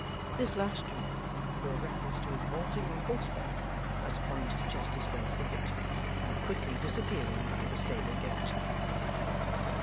This last remark bore reference to his vaulting on horseback, as upon Mr Chester's first visit, and quickly disappearing by the stable gate.